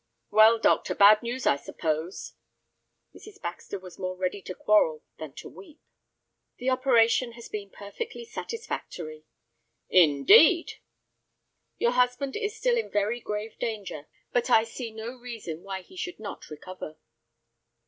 "Well, doctor, bad news, I suppose?" Mrs. Baxter was more ready to quarrel than to weep. "The operation has been perfectly satisfactory." "Indeed!" "Your husband is still in very grave danger, but I see no reason why he should not recover."